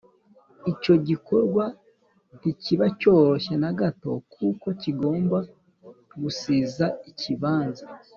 icyo gikorwa ntikiba cyoroshye na gato kuko kigomba gusiza ikibanza,